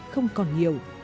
không còn nhiều